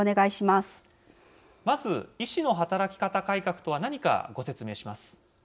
まず医師の働き方改革とは何かご説明します。